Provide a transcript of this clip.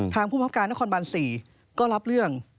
ทางผู้ภาพการนครบัน๔ก็รับเรื่อง